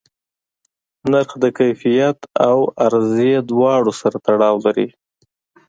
نرخ د کیفیت او عرضه دواړو سره تړاو لري.